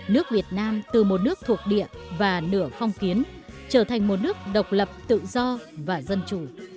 nước việt nam từ một nước thuộc địa và nửa phong kiến trở thành một nước độc lập tự do và dân chủ